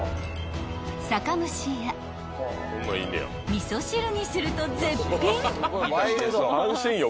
［味噌汁にすると絶品］